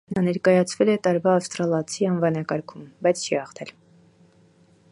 Նա ներկայացվել է տարվա ավստրալացի անվանակարգում, բայց չի հաղթել։